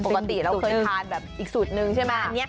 ปกติเราเคยทานแบบอีกสูตรนึงใช่ไหม